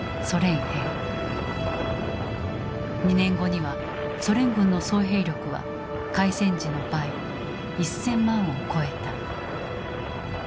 ２年後にはソ連軍の総兵力は開戦時の倍１０００万を超えた。